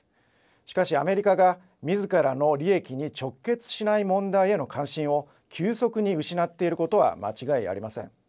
しかし、アメリカがみずからの利益に直結しない問題への関心を急速に失っていることは間違いありません。